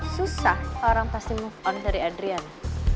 susah orang pasti move on dari adrian